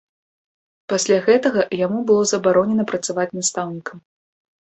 Пасля гэтага яму было забаронена працаваць настаўнікам.